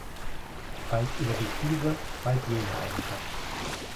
Bald überwiegt diese, bald jene Eigenschaft.